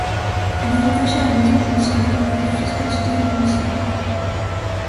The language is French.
Elle est rattachée à la Maison du Missionnaire pour les offices quotidiens et dominicaux.